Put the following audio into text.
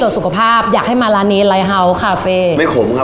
สุขภาพอยากให้มาร้านนี้ไลทเฮาส์คาเฟ่ไม่ขมค่ะ